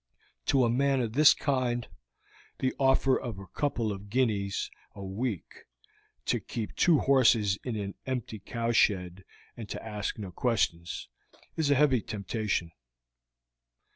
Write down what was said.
To a man of this kind, the offer of a couple of guineas a week to keep two horses in an empty cowshed, and to ask no questions, is a heavy temptation.